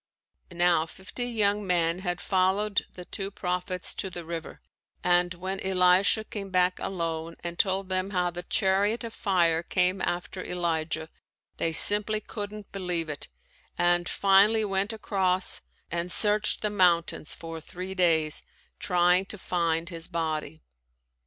Now fifty young men had followed the two prophets to the river and when Elisha came back alone and told them how the chariot of fire came after Elijah they simply couldn't believe it and finally went across and searched the mountains for three days trying to find his body.